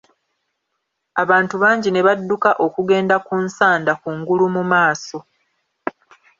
Abantu bangi ne badduka okugenda ku nsanda kungulu mu maaso.